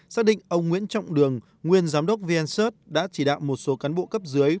xác định ông nguyễn trọng đường nguyên giám đốc vncert đã chỉ đạo một số cán bộ cấp dưới